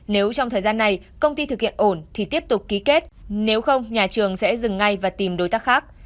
nếu trong thời gian này công ty thực hiện ổn thì tiếp tục ký kết nếu không nhà trường sẽ dừng ngay và tìm đối tác khác